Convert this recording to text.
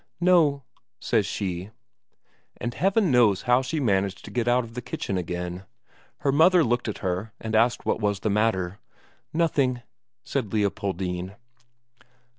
"No," says she. And Heaven knows how she managed to get out of the kitchen again. Her mother looked at her and asked what was the matter. "Nothing," said Leopoldine.